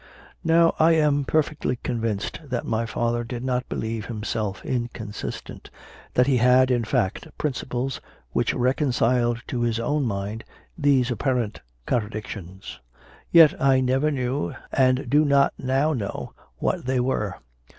Now I am perfectly convinced that my father did not believe himself inconsistent that he had, in fact, principles which reconciled to his own mind these apparent contradictions. Yet I never knew, and do not now know, what they were.